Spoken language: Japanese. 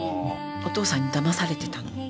お父さんにだまされてたの。